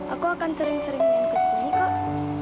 aku akan sering sering ingin ke sini kok